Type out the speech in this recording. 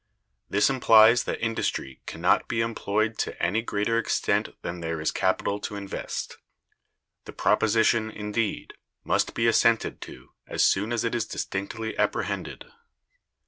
This implies that industry can not be employed to any greater extent than there is capital to invest. The proposition, indeed, must be assented to as soon as it is distinctly apprehended.